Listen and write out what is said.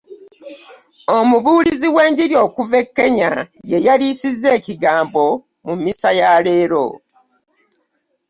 Omubuulizi w'enjiri okuva e Kenya ye yaliisizza ekigambo mu mmisa ya leero.